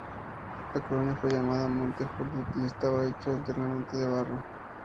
La colina fue llamada Monte Jolliet y estaba hecho enteramente de barro.